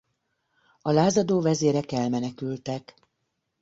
A lázadó vezérek elmenekültek.